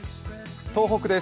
東北です。